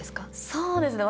そうですね